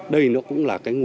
đây nó cũng là cái nguồn